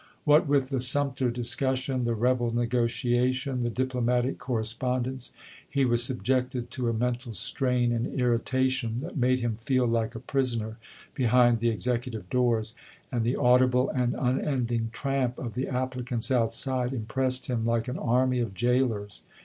"Wliat with the Sumter discus sion, the rebel negotiation, the diplomatic corre spondence, he was subjected to a mental strain and irritation that made him feel like a prisoner behind the Executive doors, and the audible and unending tramp of the applicants outside impressed him like an army of jailers.